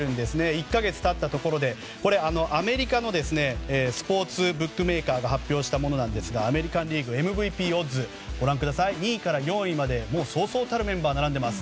１か月経ったところでアメリカのスポーツブックメーカーが発表したものなんですがアメリカン・リーグＭＶＰオッズ２位から４位までそうそうたるメンバーが並んでいます。